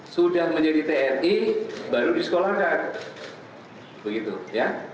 sudah menjadi tni baru disekolahkan begitu ya